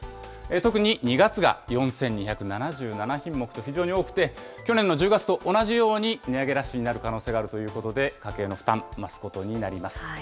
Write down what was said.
特に２月が４２７７品目と非常に多くて、去年の１０月と同じように値上げラッシュになる可能性があるということで、家計への負担、増すことになります。